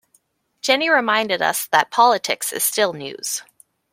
Jenny reminded us that politics is still news.